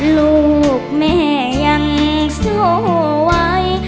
ลูกแม่ยังสู้ไว้